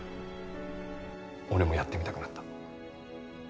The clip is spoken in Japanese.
俺もやってみたくなった。